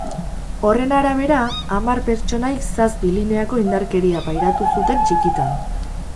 Horren arabera, hamar pertsonatik zazpik lineako indarkeria pairatu zuten txikitan.